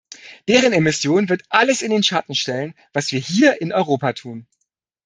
Deren Emission wird alles in den Schatten stellen, was wir hier in Europa tun.